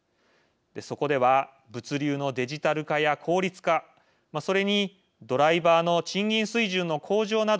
そこでは物流のデジタル化や効率化それにドライバーの賃金水準の向上など対策が示されました。